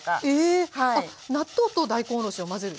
あっ納豆と大根おろしを混ぜる？